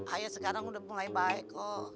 ayah sekarang udah pengen baik